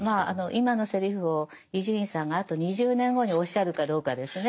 今のセリフを伊集院さんがあと２０年後におっしゃるかどうかですね。